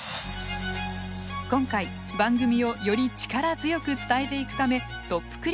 今回番組をより力強く伝えていくためトップ